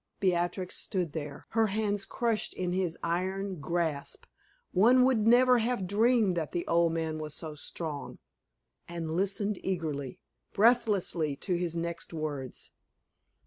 Beatrix stood there, her hands crushed in his iron grasp one would never have dreamed that the old man was so strong and listened eagerly, breathlessly, to his next words.